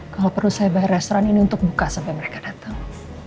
kalau perlu saya bayar restoran ini untuk buka sampai mereka datang